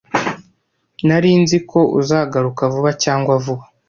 Nari nzi ko uzagaruka vuba cyangwa vuba.